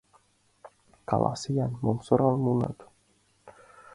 — Каласе-ян, мом сӧралым муынат?